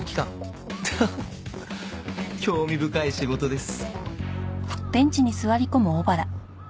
ハハッ興味深い仕事です。